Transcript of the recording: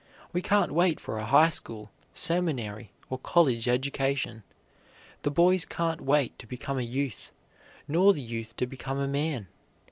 We can't wait for a high school, seminary, or college education. The boy can't wait to become a youth, nor the youth to become a man.